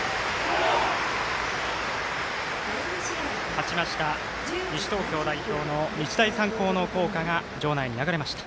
勝ちました西東京代表の日大三高の校歌が場内に流れました。